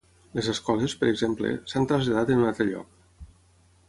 Les escoles, per exemple, s'han traslladat en un altre lloc.